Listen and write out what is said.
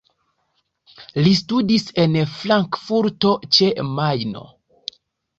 Li studis en Frankfurto ĉe Majno.